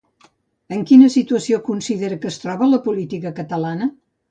En quina situació considera que es troba la política catalana?